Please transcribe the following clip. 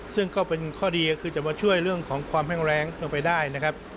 ซึ่งก็เป็นข้อดีก็คือจะมาช่วยเรื่องของความแห้งแรงลงไปได้นะครับ